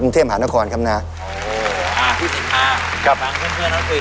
กรุงเท่มหานครคำนาโอ้โหอ่าคุณค่ะครับทั้งเพื่อน